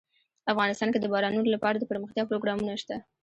افغانستان کې د بارانونو لپاره دپرمختیا پروګرامونه شته.